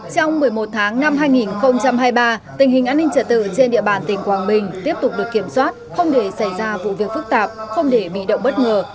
trong một mươi một tháng năm hai nghìn hai mươi ba tình hình an ninh trở tự trên địa bàn tỉnh quảng bình tiếp tục được kiểm soát không để xảy ra vụ việc phức tạp không để bị động bất ngờ